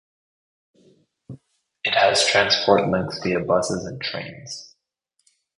It has transport links via buses and trains.